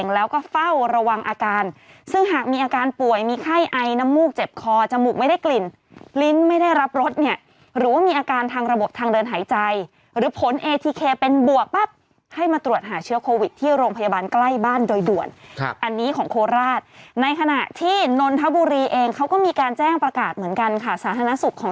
แล้วก็เฝ้าระวังอาการซึ่งหากมีอาการป่วยมีไข้ไอน้ำมูกเจ็บคอจมูกไม่ได้กลิ่นลิ้นไม่ได้รับรสเนี่ยหรือว่ามีอาการทางระบบทางเดินหายใจหรือผลเอทีเคเป็นบวกปั๊บให้มาตรวจหาเชื้อโควิดที่โรงพยาบาลใกล้บ้านโดยด่วนอันนี้ของโคราชในขณะที่นนทบุรีเองเขาก็มีการแจ้งประกาศเหมือนกันค่ะสาธารณสุขของ